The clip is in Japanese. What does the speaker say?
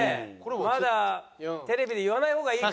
まだテレビで言わない方がいいか。